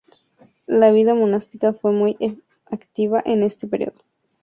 La vida monástica fue muy activa en este período.